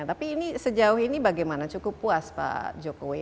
tapi ini sejauh ini bagaimana cukup puas pak jokowi